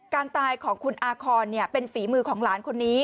การตายของคุณอาคอนเป็นฝีมือของหลานคนนี้